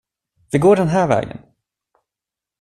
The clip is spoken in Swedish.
Vi går den här vägen.